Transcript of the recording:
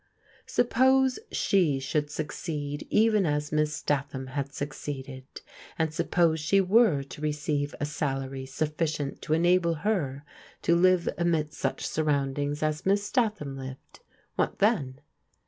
Suppose she should succeed even as Miss Statfaam bad succeeded, and stippose sbe were to receive a salary suffi cient to enable her to live anudst sucfa snrronmfings as Miss Statham lived — what then?